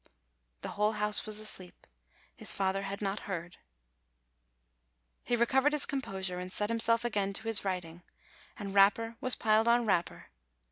The whole house was asleep. His father had not heard. He recovered his composure, and set himself again to his writing, and wrapper was piled on wrapper.